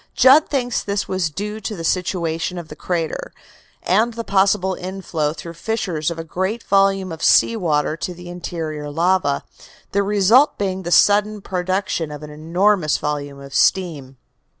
Judd thinks this was due to the situation of the crater, and the possible inflow through fissures of a great volume of sea water to the interior lava, the result being the sudden production of an enormous volume of steam.